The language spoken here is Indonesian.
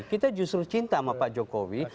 kita justru cinta sama pak jokowi